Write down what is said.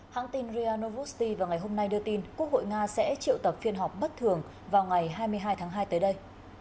hãng tin ryanovoosti vào ngày hôm nay đưa tin quốc hội nga sẽ triệu tập phiên họp bất thường vào ngày hai mươi hai tháng hai tới đây